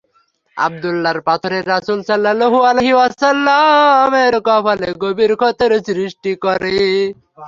আব্দুল্লাহর পাথরে রাসূল সাল্লাল্লাহু আলাইহি ওয়াসাল্লাম-এর কপালে গভীর ক্ষতের সৃষ্টি করে।